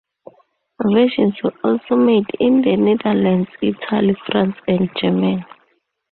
Versions were also made in the Netherlands, Italy, France and Germany.